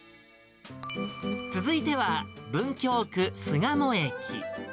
続いては、文京区巣鴨駅。